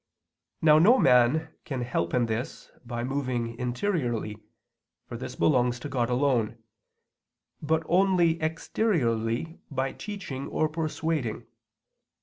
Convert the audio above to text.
Now no man can help in this by moving interiorly (for this belongs to God alone), but only exteriorly by teaching or persuading.